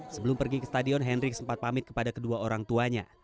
sebelum pergi ke stadion hendrik sempat pamit kepada kedua orang tuanya